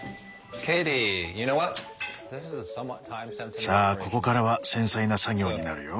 さあここからは繊細な作業になるよ。